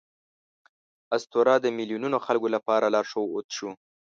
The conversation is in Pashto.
اسطوره د میلیونونو خلکو لپاره لارښود شو.